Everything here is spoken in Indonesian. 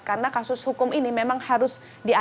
karena kasus hukum ini memang harus diadilkan